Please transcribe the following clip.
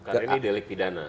karena ini delik pidana